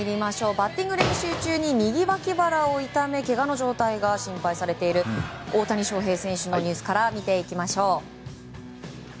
バッティング練習中に右脇腹を痛めけがの状態が心配されている大谷翔平選手のニュースから見ていきましょう。